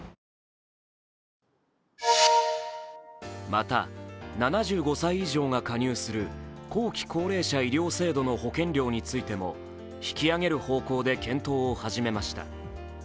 また、７５歳以上が加入する後期高齢者医療制度の保険料についても引き上げる方向で検討を始めました。